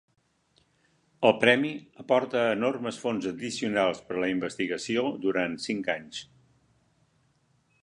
El premi aporta enormes fons addicionals per a la investigació durant cinc anys.